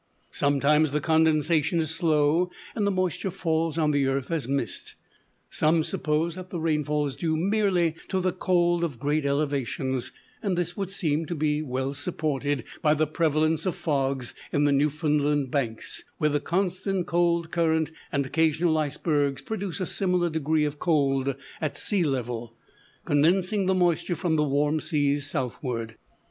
Sometimes the condensation is slow and the moisture falls on the earth as mist. Some suppose that the rainfall is due merely to the cold of great elevations: and this would seem to be well supported by the prevalence of fogs on the Newfoundland banks, where the constant cold current and the occasional icebergs produce a similar degree of cold at sea level, condensing the moisture from the warm seas southward.